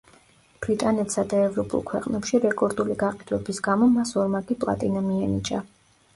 ბრიტანეთსა და ევროპულ ქვეყნებში რეკორდული გაყიდვების გამო მას ორმაგი პლატინა მიენიჭა.